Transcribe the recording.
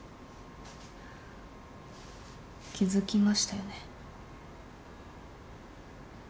気付きましたよね？